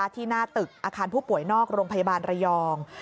ที่หน้าตึกอาคารผู้ป่วยนอกโรงพยาบาลระยอง